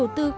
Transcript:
bắc mae s